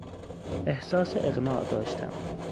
احساس اقناع داشتم.